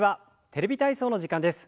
「テレビ体操」の時間です。